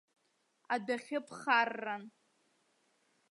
Адәахьы ԥхарран.